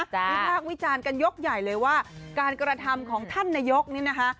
วิพากษ์วิจารณ์กันยกใหญ่เลยว่าการกระทำของท่านนายกนี่นะคะ